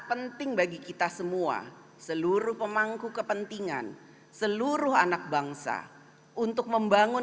penting bagi kita semua seluruh pemangku kepentingan seluruh anak bangsa untuk membangun